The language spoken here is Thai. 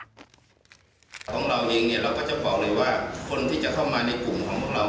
ของเราเองเนี่ยเราก็จะบอกเลยว่าคนที่จะเข้ามาในกลุ่มของพวกเรา